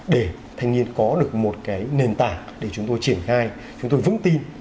để thanh niên có được một cái nền tảng để chúng tôi triển khai chúng tôi vững tin